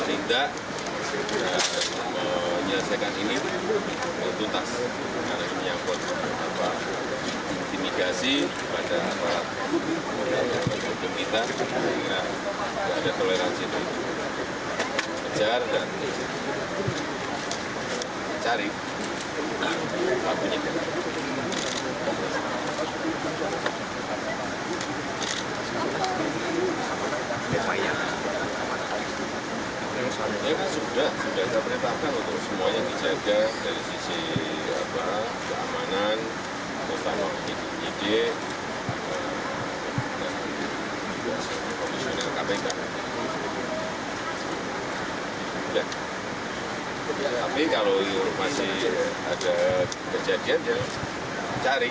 intimidasi pada orang orang yang mencintai kita tidak ada toleransi untuk mengejar dan mencari